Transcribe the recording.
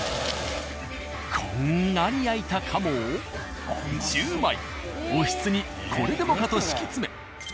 こんがり焼いた鴨を１０枚おひつにこれでもかと敷き詰め